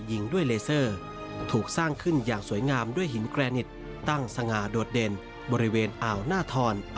ที่แกนิดตั้งสง่าโดดเด่นบริเวณอ่าวหน้าธรรม